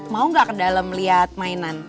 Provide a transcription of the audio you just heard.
mau nggak ke dalam lihat mainan